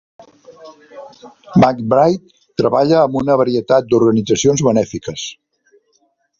McBride treballa amb una varietat d'organitzacions benèfiques.